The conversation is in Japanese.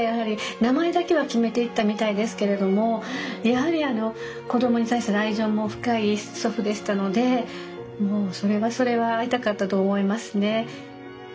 名前だけは決めていったみたいですけれどもやはりあの子供に対する愛情も深い祖父でしたのでもうそれはそれは会いたかったと思いますね。